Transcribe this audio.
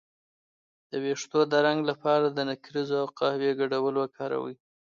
د ویښتو د رنګ لپاره د نکریزو او قهوې ګډول وکاروئ